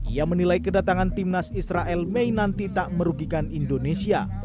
ia menilai kedatangan timnas israel mei nanti tak merugikan indonesia